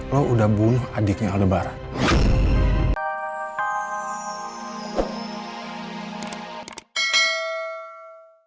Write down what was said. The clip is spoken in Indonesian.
lo udah bunuh adiknya lebaran